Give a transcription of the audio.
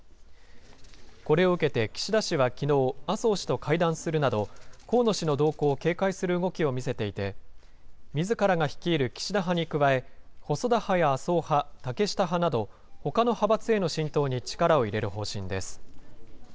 これを受けて、岸田氏はきのう、麻生氏と会談するなど、河野氏の動向を警戒する動きを見せていて、みずからが率いる岸田派に加え、細田派や麻生派、竹下派など、ほかの派閥への浸透に力を入れる方針です。